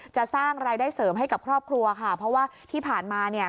จะสร้างรายได้เสริมให้กับครอบครัวค่ะเพราะว่าที่ผ่านมาเนี่ย